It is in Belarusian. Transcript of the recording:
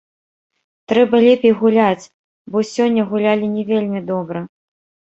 Трэба лепей гуляць, бо сёння гулялі не вельмі добра.